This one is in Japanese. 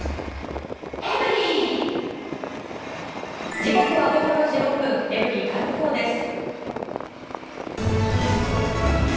時刻は午後４時６分、エブリィタイム４です。